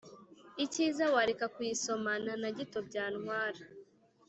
icyiza wareka kuyisoma ntanagito byantwara